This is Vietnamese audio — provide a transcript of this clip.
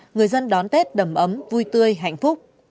người dân đón tết đầm ấm vui tươi hạnh phúc